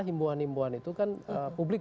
himbuan himbuan itu kan publik